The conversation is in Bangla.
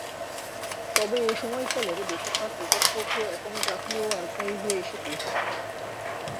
তবে এ সময়কালের বেশির ভাগ রেকর্ডপত্র এখনও জাতীয় আর্কাইভসে এসে পৌঁছায় নি।